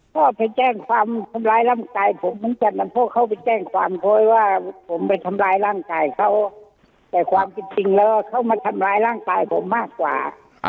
ก็ไปแจ้งความทำร้ายร่างกายผมเหมือนกันนะเพราะเขาไปแจ้งความเพราะว่าผมไปทำร้ายร่างกายเขาแต่ความจริงแล้วเขามาทำร้ายร่างกายผมมากกว่า